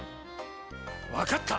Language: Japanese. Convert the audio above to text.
わかった。